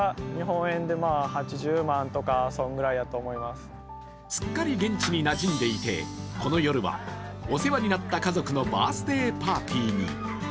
すっかり現地になじんでいてこの夜はお世話になった家族のバースデーパーティーに。